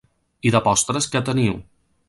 I de postres què teniu?